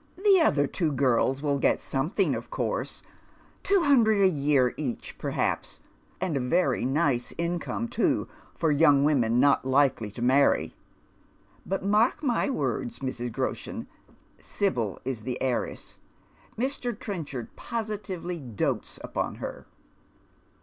" The other two girls will get something, of course — two hundred a year each, perhaps ; and a very nice income too, for f oung women not likely to marry. But mark my words, Mrs. Groshen, Sibyl is the heiress. Mr. Trenchard positively doats upon her."